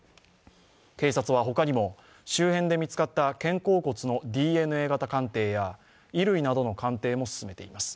警察はほかにも周辺で見つかった肩甲骨のＤＮＡ型鑑定や衣類などの鑑定も進めています。